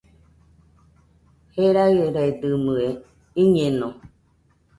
Jeraɨredɨmɨe, iñeno